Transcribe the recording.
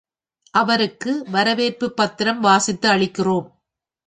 அவருக்கு வரவேற்புப் பத்திரம் வாசித்து அளிக்கிறோம்.